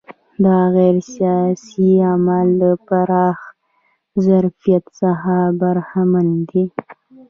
دا غیر سیاسي اعمال له پراخ ظرفیت څخه برخمن دي.